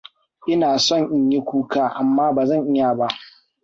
Ina so in yi kuka, amma ba zan iya ba.